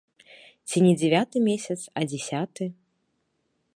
Ці не дзявяты месяц, а дзясяты.